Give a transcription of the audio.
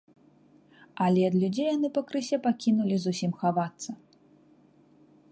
Але ад людзей яны пакрысе пакінулі зусім хавацца.